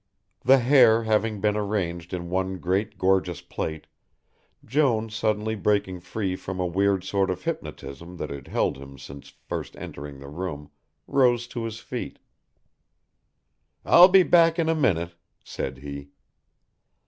The hair having been arranged in one great gorgeous plait, Jones suddenly breaking free from a weird sort of hypnotism that had held him since first entering the room, rose to his feet. "I'll be back in a minute," said he.